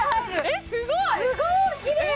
えすごい！